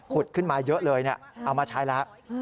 ขึ้นมาเยอะเลยเอามาใช้แล้ว